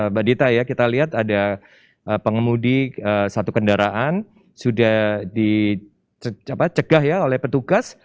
mbak dita ya kita lihat ada pengemudi satu kendaraan sudah dicegah ya oleh petugas